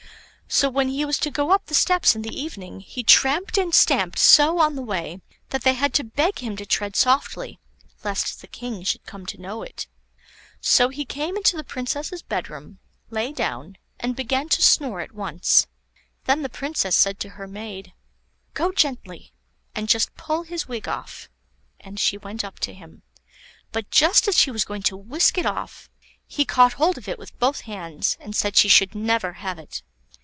So, when he was to go up the steps in the evening, he tramped and stamped so on the way, that they had to beg him to tread softly lest the King should come to know it. So he came into the Princess' bedroom, lay down, and began to snore at once. Then the Princess said to her maid: "Go gently, and just pull his wig off;" and she went up to him. But just as she was going to whisk it off, he caught hold of it with both hands, and said she should never have it.